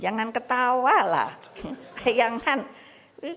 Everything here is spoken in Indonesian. jangan ketawa lah keren banget ya tadinya unit kerja aduh